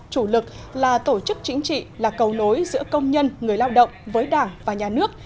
chủ lực là tổ chức chính trị là cầu nối giữa công nhân người lao động với đảng và nhà nước